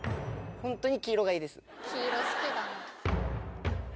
本当に黄色がいいです。